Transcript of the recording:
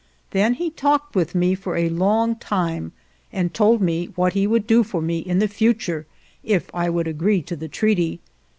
Then he talked with me for a long time and told me what he would do for me in the future if I would agree to the treaty.